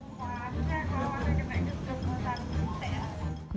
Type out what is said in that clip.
waduh keren banget ini gempa banget